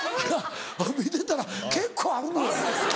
見てったら結構あるのよ。